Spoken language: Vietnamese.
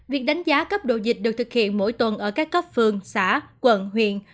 việc đánh giá cấp độ dịch được thực hiện mỗi tuần ở các cấp phường xã quận huyện